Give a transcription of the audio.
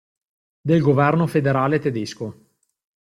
Del Governo Federale Tedesco.